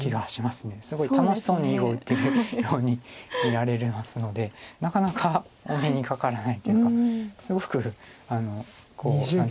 すごい楽しそうに囲碁を打ってるように見られますのでなかなかお目にかかれないというかすごく何ていうんでしょう。